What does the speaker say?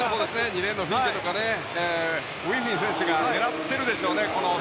２レーンのフィンケとかウィフェン選手が狙ってるでしょう。